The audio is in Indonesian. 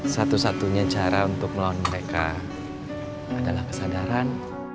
satu satunya cara untuk melawan mereka adalah kesadaran